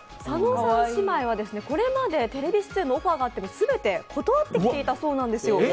佐野さん姉妹はこれまでテレビ出演のオファーがあっても全て断ってきていたそうなんです。